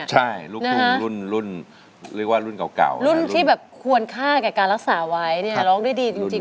หนุ่นที่แบบควรค่ากับการรักษาไว้เนี่ยร้องได้ดีจริงเลยนะ